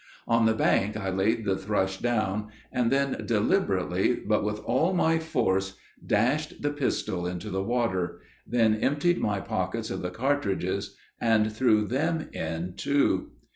On the bank I laid the thrush down, and then deliberately but with all my force dashed the pistol into the water; then emptied my pockets of the cartridges and threw them in too.